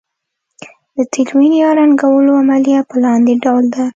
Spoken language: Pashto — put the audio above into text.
د تلوین یا رنګولو عملیه په لاندې ډول ده.